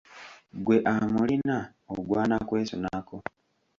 Ggwe amulina ogwana kwesunako.